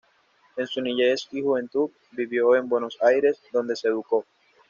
En su niñez y juventud vivió en Buenos Aires, donde se educó.